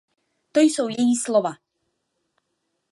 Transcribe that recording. To jsou její slova.